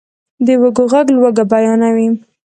د وږو ږغ لوږه بیانوي.